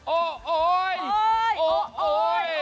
โอ๊ย